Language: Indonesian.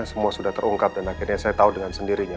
semua sudah terungkap dan akhirnya saya tahu dengan sendirinya